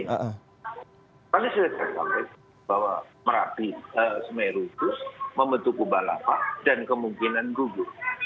pada saat itu bahwa merapi semeru itu membentuk kubah lapak dan kemungkinan gugur